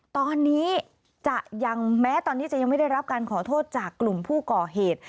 ตอนนี้แม้ตอนนี้จะยังไม่ได้รับการขอโทษจากกลุ่มผู้ก่อเหตุ